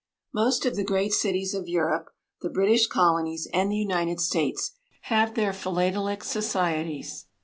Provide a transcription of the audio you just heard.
Most of the great cities of Europe, the British Colonies, and the United States have their Philatelic Societies.